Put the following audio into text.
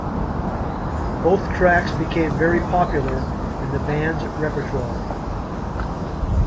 Both tracks became very popular in the band's repertoire.